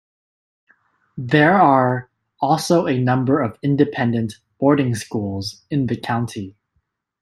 There are also a number of independent boarding schools in the county.